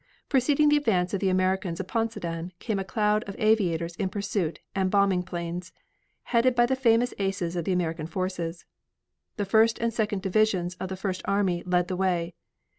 Preceding the advance of the Americans upon Sedan, came a cloud of aviators in pursuit and bombing planes, headed by the famous aces of the American forces. The First and Second divisions of the First army led the way.